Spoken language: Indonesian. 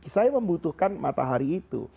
saya membutuhkan matahari itu